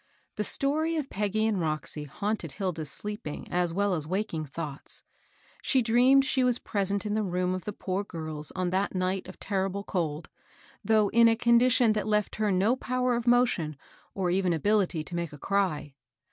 The story of Peggy and Roxy haunted Hilda's sleeping as well as waking thoughts. She dreamed she was present in the room of the poor girls on that night of terrible cold, though in a condition that left her no power of motion, or even ability to make a ciy.